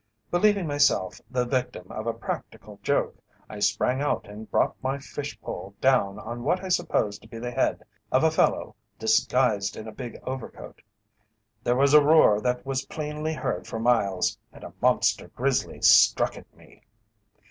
"Believing myself the victim of a practical joke, I sprang out and brought my fish pole down on what I supposed to be the head of a fellow disguised in a big overcoat. There was a roar that was plainly heard for miles, and a monster grizzly struck at me.